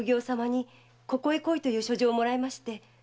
「ここへ来い」という書状をもらいまして。